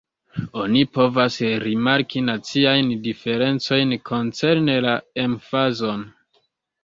Oni povas rimarki naciajn diferencojn koncerne la emfazon.